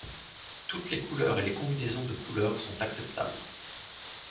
Toutes les couleurs et les combinaisons de couleurs sont acceptables.